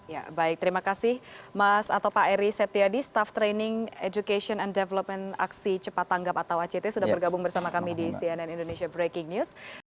ya baik terima kasih mas atau pak eri setiadi staff training education and development aksi cepat tanggap atau act sudah bergabung bersama kami di cnn indonesia breaking news